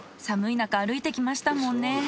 寒い中歩いてきましたもんね。